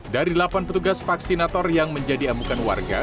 dari delapan petugas vaksinator yang menjadi amukan warga